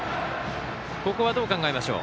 ここはどう考えましょう？